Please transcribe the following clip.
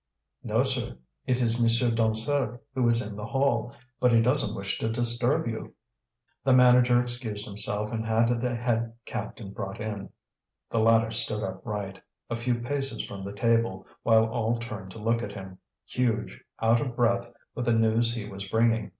"No, sir. It is Monsieur Dansaert, who is in the hall. But he doesn't wish to disturb you." The manager excused himself, and had the head captain brought in. The latter stood upright, a few paces from the table, while all turned to look at him, huge, out of breath with the news he was bringing.